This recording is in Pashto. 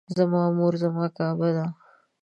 زما مور زما کعبه ده